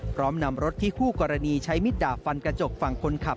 พร้อมนำรถที่คู่กรณีใช้มิดดาบฟันกระจกฝั่งคนขับ